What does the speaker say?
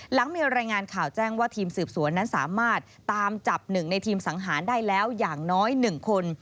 หลังมีรายงานข่าวแจ้งว่าทีมสืบสวนนั้นสามารถตามจับ๑ในทีมสังหารได้แล้วอย่างน้อย๑คน